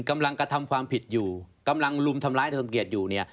กำลังกระทำความผิดอยู่กำลังลุมทำร้ายเธอสมเกียจอยู่เนี่ย